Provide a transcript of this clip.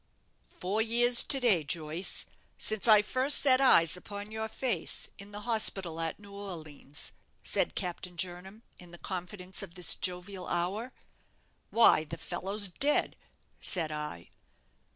"Four years to day, Joyce, since I first set eyes upon your face in the hospital at New Orleans," said Captain Jernam, in the confidence of this jovial hour. "'Why, the fellow's dead,' said I.